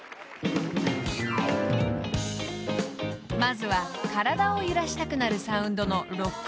［まずは体を揺らしたくなるサウンドの］